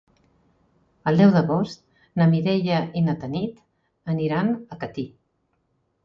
El deu d'agost na Mireia i na Tanit aniran a Catí.